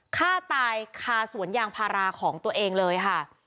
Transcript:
ฆ่าตายคาสวนยางพาราของตัวเองเลยค่ะ